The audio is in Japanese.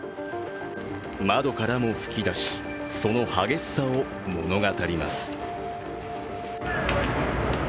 窓からも噴き出し、その激しさを物語ります。